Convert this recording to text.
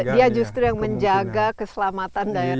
dia justru yang menjaga keselamatan daerah